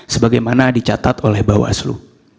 sebagaimana dicatat oleh bawaslu